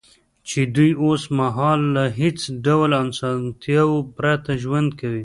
چې دوی اوس مهال له هېڅ ډول اسانتیاوو پرته ژوند کوي